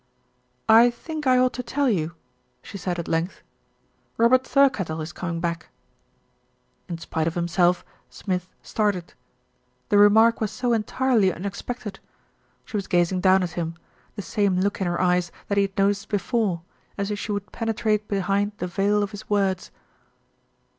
"I think I ought to tell you," she said at length, "Robert Thirkettle is coming back." In spite of himself Smith started. The remark was so entirely unexpected. She was gazing down at him, the same look in her eyes that he had noticed before, as if she would penetrate behind the veil of his words.